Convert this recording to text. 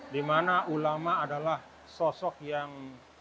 dimana ulama adalah sosok yang